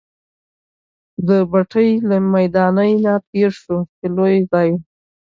د بټۍ له میدانۍ نه تېر شوو، چې لوی ځای وو.